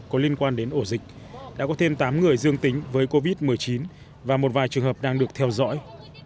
có liên quan đến ổ dịch đã có thêm tám người dương tính với covid một mươi chín và một vài trường hợp đang được theo dõi